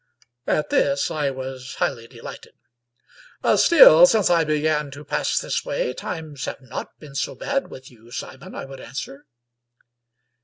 At this I was highly delighted. " Still, since I began to pass this way times have not been so bad with you, Simon," I would answer.